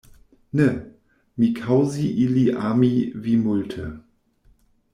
Ne, mi kaŭzi ili ami vi multe.